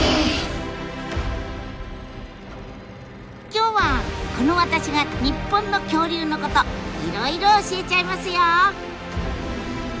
今日はこの私が日本の恐竜のこといろいろ教えちゃいますよ。